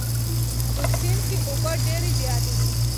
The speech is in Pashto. په سیند کې اوبه ډېرې زیاتې دي.